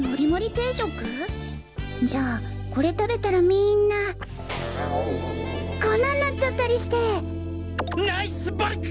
じゃあこれ食べたらみんなこんなになっちゃったりしてナイスバルク！